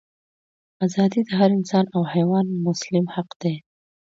ازادي د هر انسان او حیوان مسلم حق دی.